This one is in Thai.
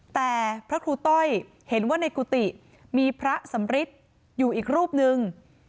แต่พระครูต้อยเห็นว่าในกุฏิมีพระสำริทอยู่อีกรูปนึง